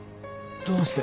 どうして。